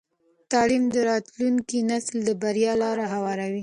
تعلیم د راتلونکي نسل د بریا لاره هواروي.